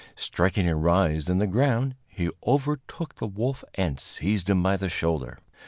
Striking a rise in the ground, he overtook the wolf and seized him by the shoulder.